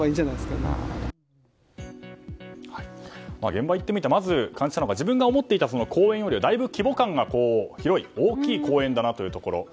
現場に行ってみてまず感じたのが自分が思っていた公園よりだいぶ規模感が広い大きい公園だなというところ。